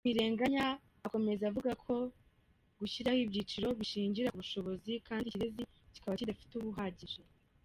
Ntirenganya akomeza avuga ko gushyiraho ibyiciro bishingira ku bushobozi, kandi Ikirezi kikaba kidafite ubuhagije.